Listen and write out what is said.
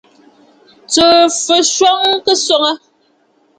Tsùù fɨswo kɨswoŋǝ.